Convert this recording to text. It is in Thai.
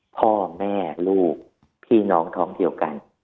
พ่อแม่ลูกพี่น้องท้องเดียวกัน